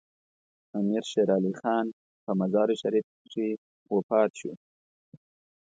امیر شیر علي خان په مزار شریف کې وفات شو.